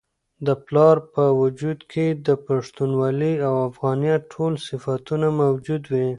د پلار په وجود کي د پښتونولۍ او افغانیت ټول صفتونه موجود وي.